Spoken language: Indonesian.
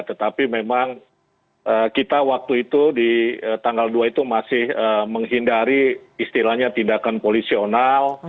tetapi memang kita waktu itu di tanggal dua itu masih menghindari istilahnya tindakan polisional